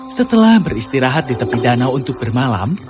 setelah beristirahat di tepi danau untuk bermalam